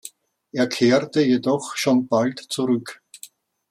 Er kehrte jedoch schon bald zurück.